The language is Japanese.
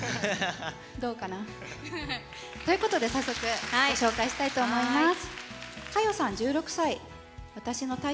どうかな。ということで早速、紹介したいと思います。